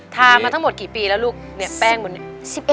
มาทั้งหมดกี่ปีแล้วลูกเนี่ยแป้งวันนี้